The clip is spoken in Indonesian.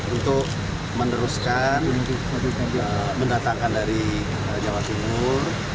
untuk meneruskan untuk mendatangkan dari jawa timur